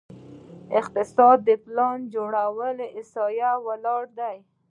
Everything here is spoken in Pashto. د اقتصاد پلان جوړول په احصایه ولاړ دي؟